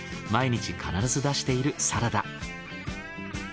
毎日必ず出しているサラダ。